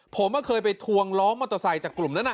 ผมเคยไปทวงล้อมมอเตอร์ไซค์จากกลุ่มนั้น